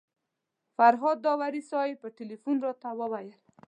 فرهاد داوري صاحب په تیلفون راته وویل.